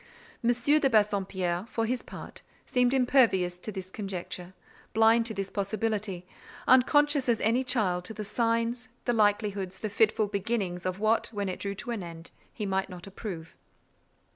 M. de Bassompierre, for his part, seemed impervious to this conjecture, blind to this possibility; unconscious as any child to the signs, the likelihoods, the fitful beginnings of what, when it drew to an end, he might not approve.